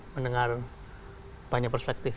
mendengar banyak perspektif